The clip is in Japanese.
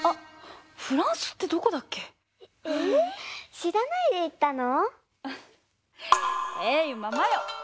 しらないでいったの？